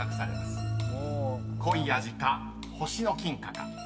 ［恋味か星の金貨か］